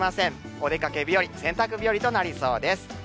お出かけ日和、洗濯日和となりそうです。